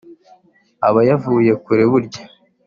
aba yavuye kure burya